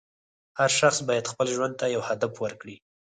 هر شخص باید خپل ژوند ته یو هدف ورکړي.